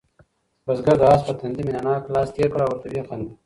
بزګر د آس په تندي مینه ناک لاس تېر کړ او ورته ویې خندل.